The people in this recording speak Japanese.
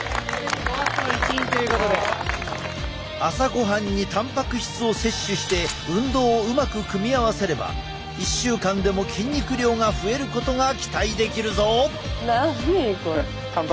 朝ごはんにたんぱく質を摂取して運動をうまく組み合わせれば１週間でも筋肉量が増えることが期待できるぞ！